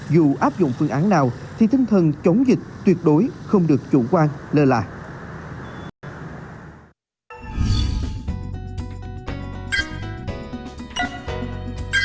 dù áp dụng phương án nào thì tinh thần chống dịch tuyệt đối không được chủ quan lơ là